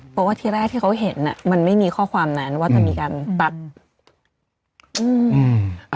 เพราะว่าที่แรกที่เขาเห็นอ่ะมันไม่มีข้อความนั้นว่าจะมีการตัดอืม